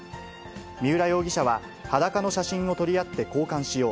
三浦容疑者は、裸の写真を撮り合って交換しよう。